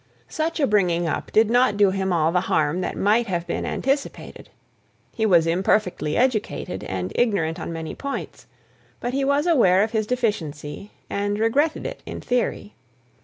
Such a bringing up did not do him all the harm that might have been anticipated. He was imperfectly educated, and ignorant on many points; but he was aware of his deficiency, and regretted it in theory.